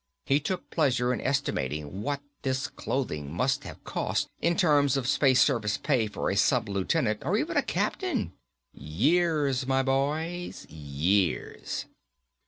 He took pleasure in estimating what this clothing would have cost in terms of months of Space Service pay for a Sub lieutenant or even a Captain. _Years, my boy, years.